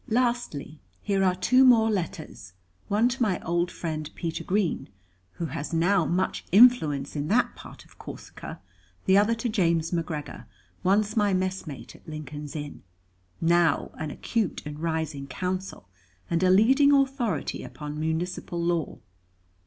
Lastly, here are two more letters, one to my old friend Peter Green, who has now much influence in that part of Corsica, the other to James McGregor, once my messmate at Lincoln's Inn, now an acute and rising Counsel, and a leading authority upon municipal law.